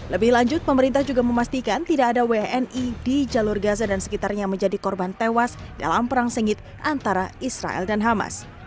lebih lanjut pemerintah juga memastikan tidak ada wni di jalur gaza dan sekitarnya menjadi korban tewas dalam perang sengit antara israel dan hamas